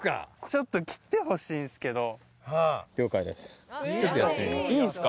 ちょっと切ってほしいんすけ了解です。